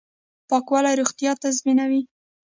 پاکوالی روغتیا تضمینوي